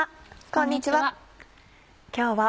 こんにちは。